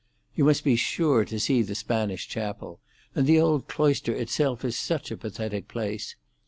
You must be sure to see the Spanish chapel; and the old cloister itself is such a pathetic place.